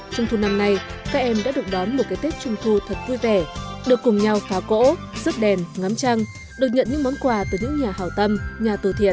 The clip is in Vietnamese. trung thu năm nay các em đã được đón một cái tết trung thu thật vui vẻ được cùng nhau phá cỗ rước đèn ngắm trăng được nhận những món quà từ những nhà hào tâm nhà từ thiện